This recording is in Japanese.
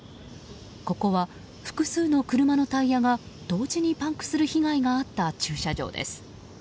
ここは複数の車のタイヤが同時にパンクする被害があった駐車場です。